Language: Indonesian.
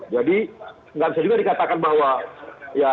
jadi gak bisa juga dikatakan bahwa